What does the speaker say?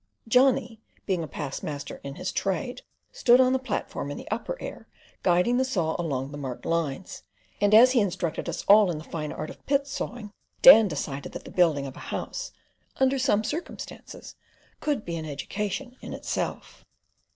Johnny being a past master in his trade, stood on the platform in the upper air, guiding the saw along the marked lines; and as he instructed us all in the fine art of pit sawing, Dan decided that the building of a house, under some circumstances, could be an education in itself.